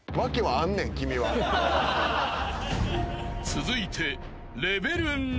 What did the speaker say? ［続いて］